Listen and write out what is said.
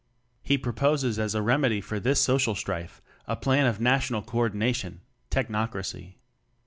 He proposes as a remedy for this social strife a plan of National Co ordination Technocracy.